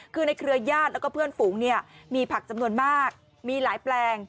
คือในเครือญาติแล้วก็เพื่อนฝูงเนี่ยมีผักจำนวนมากมีหลายแปลง